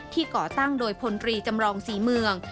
ก่อตั้งโดยพลตรีจำรองศรีเมือง